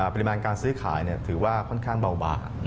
ปริมาณการซื้อขายถือว่าค่อนข้างเบาบาง